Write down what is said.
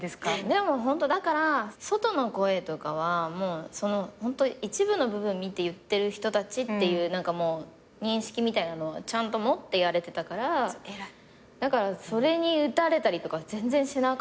でもホントだから外の声とかはホント一部の部分見て言ってる人たちっていう認識みたいなのはちゃんと持ってやれてたからだからそれに打たれたりとかは全然しなかったですね。